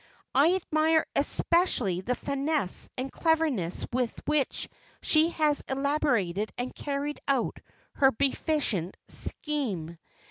I admire especially the finesse and cleverness with which she has elaborated and carried out her beneficent scheme.